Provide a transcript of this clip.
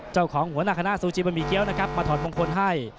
หัวหน้าคณะซูจิบะหมี่เกี้ยวนะครับมาถอดมงคลให้